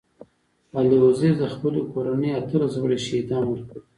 علي وزير د خپلي کورنۍ اتلس غړي شهيدان ورکړي.